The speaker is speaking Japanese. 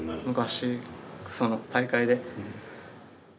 昔その大会で。